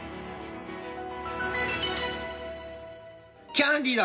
キャンディーだ。